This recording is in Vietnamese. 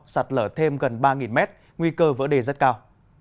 sạt lở thêm gần ba mét nguy cơ vỡ đề rất cao